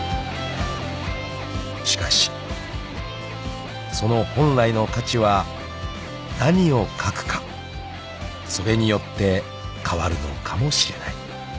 ［しかしその本来の価値は何を書くかそれによって変わるのかもしれない］